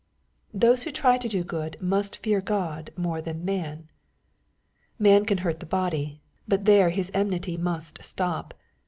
Those who try to do good must fear Ood more than man. Man can hurt the body, but there his enmity must stop.